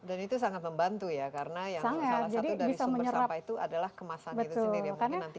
dan itu sangat membantu ya karena yang salah satu dari sumber sampah itu adalah kemasan itu sendiri